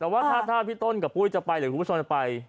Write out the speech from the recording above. แต่ว่าถ้าพี่ต้นกับปุ้ยจะไปหรือคุณผู้ชมจะไป